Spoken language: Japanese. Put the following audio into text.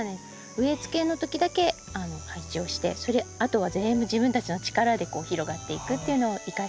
植えつけのときだけ配置をしてそれであとは全部自分たちの力で広がっていくっていうのを生かしています。